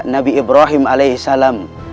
nabi ibrahim alaih salam